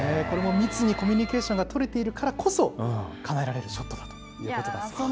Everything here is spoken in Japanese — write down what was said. これも密にコミュニケーションが取れているからこそかなえられるショットだということです。